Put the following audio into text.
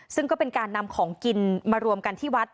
ซึ่งก็เป็นการนำของกินมารวมกันที่วัด